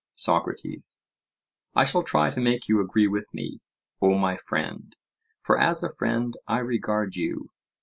SOCRATES: I shall try to make you agree with me, O my friend, for as a friend I regard you.